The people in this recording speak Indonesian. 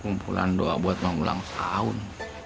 kumpulan doa buat ulang tahun